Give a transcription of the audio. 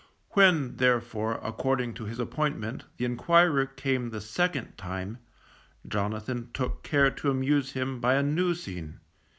When, therefore, according to his appointment, the enquirer came the second time, Jonathan took care to amuse him by a new scene.